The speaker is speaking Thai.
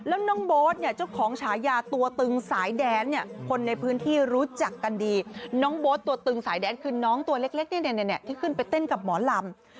แล้วน้องโบ๊ทเนี่ยเจ้าของฉายาตัวตึงสายแดนเนี่ยคนในพื้นที่รู้จักกันดีน้องโบ๊ทตัวตึงสายแดนคือน้องตัวเล็กที่ขึ้นไปเต้นกับหมอลำ